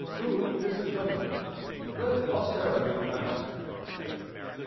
Who is the criminal? Let posterity answer.